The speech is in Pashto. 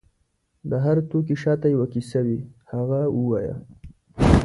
د هر توکي شاته یو کیسه وي، هغه ووایه.